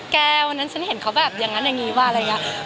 วันนั้นฉันเห็นเขาแบบอย่างนั้นอย่างนี้วะอะไรอย่างนี้